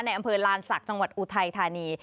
อำเภอลานศักดิ์จังหวัดอุทัยธานี